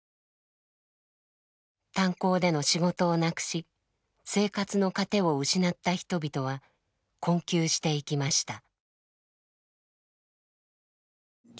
炭鉱での仕事をなくし生活の糧を失った人々は困窮していきました。